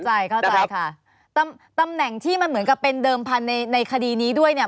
เข้าใจเข้าใจค่ะตำแหน่งที่มันเหมือนกับเป็นเดิมพันธุ์ในในคดีนี้ด้วยเนี่ย